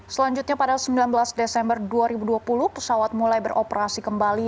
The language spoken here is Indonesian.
selanjutnya pada sembilan belas desember dua ribu dua puluh pesawat mulai beroperasi kembali